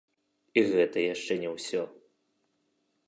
І гэта яшчэ не ўсё.